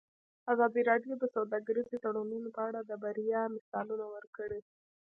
ازادي راډیو د سوداګریز تړونونه په اړه د بریاوو مثالونه ورکړي.